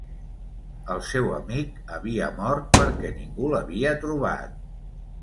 El seu amic havia mort perquè ningú l'havia trobat.